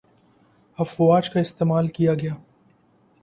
افواج کا استعمال کیا گی